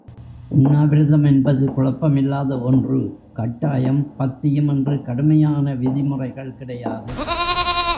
உண்ணாவிரதம் என்பது குழப்பமில்லாத ஒன்று கட்டாயம், பத்தியம் என்று கடுமையான விதி முறைகள் கிடையாது.